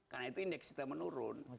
karena itu indeks kita menurun